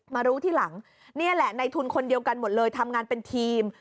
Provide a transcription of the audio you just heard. มารู้ทีหลังนี่แหละในทุนคนเดียวกันหมดเลยทำงานเป็นทีม